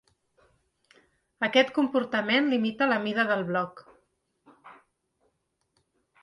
Aquest comportament limita la mida del bloc.